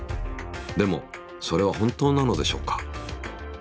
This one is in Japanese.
でもそれは本当なのでしょうか。